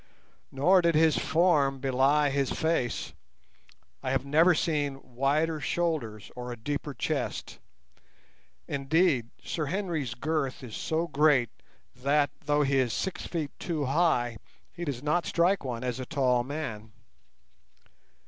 Nor did his form belie his face. I have never seen wider shoulders or a deeper chest. Indeed, Sir Henry's girth is so great that, though he is six feet two high, he does not strike one as a tall man.